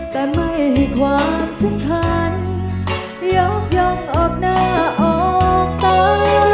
แต่ไม่ให้ความสำคัญยกยองออกหน้าออกตา